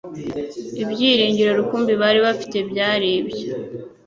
ibyiringiro rukumbi bari bafite byari ibyo.